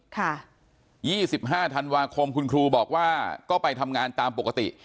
๒๕ธันวาคมคุณครูบอกว่าก็ไปทำงานตามปกติ